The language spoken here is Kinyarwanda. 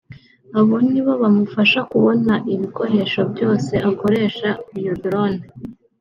Abo nibo bamufasha kubona ibikoresho byose akoresha iyo “Drone”